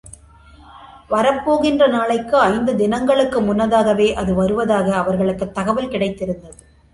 வரப்போகின்ற நாளைக்கு ஐந்து தினங்களுக்கு முன்னதாகவே அது வருவதாக அவர்களுக்குத் தகவல் கிடைத்திருந்தது.